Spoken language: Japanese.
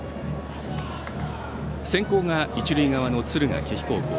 先攻が一塁側の敦賀気比高校。